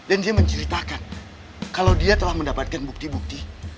dan dia menceritakan kalau dia telah mendapatkan bukti bukti